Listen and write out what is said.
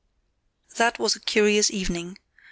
That was a curious evening.